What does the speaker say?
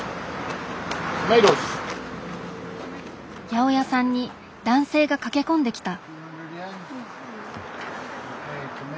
八百屋さんに男性が駆け込んできた。